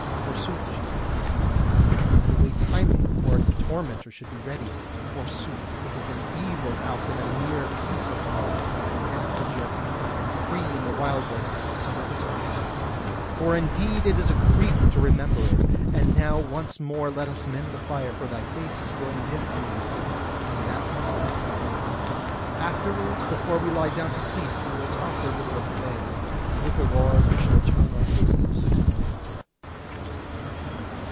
Forsooth," she said, smiling, "I fled away timely before the tormentors should be ready. Forsooth it is an evil house and a mere piece of hell. But now we are out of it and free in the wildwood, so let us forget it; for indeed it is a grief to remember it. And now once more let us mend the fire, for thy face is growing dim to me, and that misliketh me. Afterwards before we lie down to sleep we will talk a little of the way, whitherward we shall turn our faces to morrow."